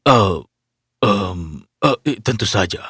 oh tentu saja